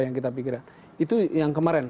yang kita pikirkan itu yang kemarin